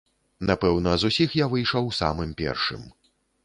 Напэўна, з усіх я выйшаў самым першым.